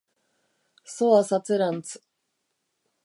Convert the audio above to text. Zoaz atzerantz.